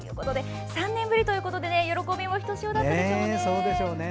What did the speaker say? ３年ぶりということで喜びもひとしおだったでしょうね。